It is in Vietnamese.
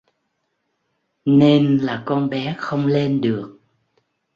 nên là con bé không lên được